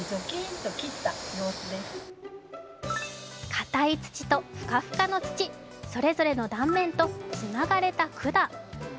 かたい土とフカフカの土、それぞれの断面とつながれた管。